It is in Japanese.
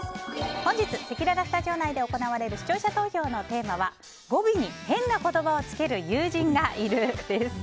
本日せきららスタジオ内で行われる視聴者投票のテーマは語尾にへんな言葉をつける友人がいるです。